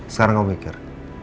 sekarang kamu mikir